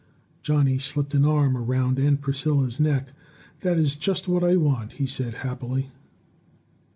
Johnny slipped an arm around Aunt Priscilla's neck. "That is just what I want," he said, happily.